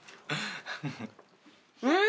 うん！